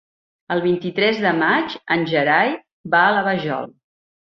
El vint-i-tres de maig en Gerai va a la Vajol.